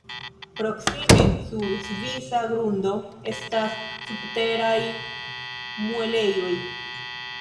Proksime sur svisa grundo estas Subteraj Muelejoj.